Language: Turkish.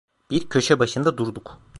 Bir köşe başında durduk.